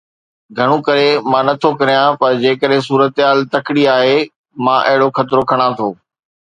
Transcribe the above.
گهڻو ڪري مان نه ٿو ڪريان. پر جيڪڏهن صورتحال تڪڙي آهي، مان اهڙو خطرو کڻان ٿو.